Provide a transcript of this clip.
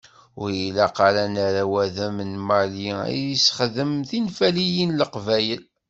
Ur ilaq ara ad nerr awadem n Mali ad yessexdem tinfaliyin n Leqbayel.